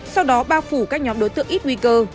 sau đó bao phủ các nhóm đối tượng ít nguy cơ